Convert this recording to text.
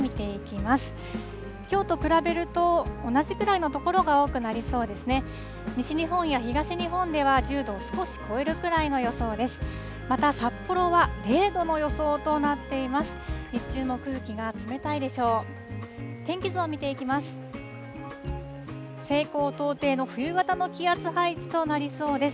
また札幌は０度の予想となっています。